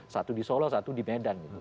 satu di solo satu di medan gitu